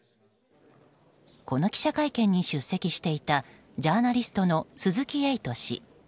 この記者会見に出席していたジャーナリストの鈴木エイト氏。